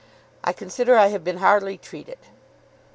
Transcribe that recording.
I consider I have been hardly treated."